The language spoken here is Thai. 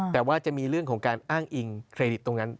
แต่ว่าจะมีเรื่องของการอ้างอิงเครดิตตรงนั้น